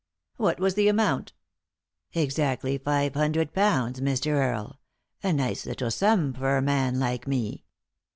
" What was the amount ?"" Exactly five hundred pounds, Mr. Eaiie — a nice little sum for a man like me."